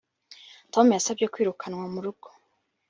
Tom yasabye kwirukanwa murugo